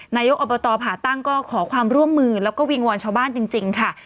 นายกอบตผ่าตั้งก็ขอความร่วมมือแล้วก็วิงวอนชาวบ้านจริงค่ะ